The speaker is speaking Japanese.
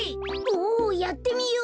おやってみよう！